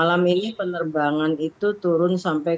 malam ini penerbangan itu turun sampai